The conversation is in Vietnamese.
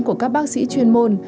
của các bác sĩ chuyên môn